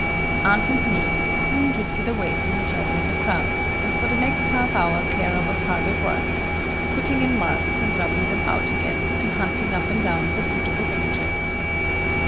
Aunt and niece soon drifted away from each other in the crowd, and for the next half hour Clara was hard at work, putting in marks and rubbing them out again, and hunting up and down for suitable pictures.